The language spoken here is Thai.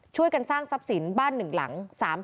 ช่วยกันสร้างทรัพย์สินบ้านหนึ่งหลัง